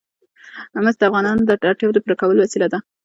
مس د افغانانو د اړتیاوو د پوره کولو وسیله ده.